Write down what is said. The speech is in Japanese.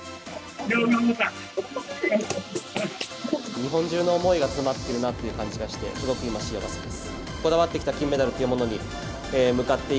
日本中の思いが詰まっているなという感じがしてすごく今、幸せです。